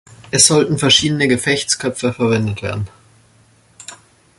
Es sollten verschiedene Gefechtsköpfe verwendet werden.